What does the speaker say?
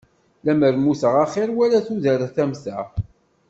Lemmer mmuteɣ axir wala tudert am ta.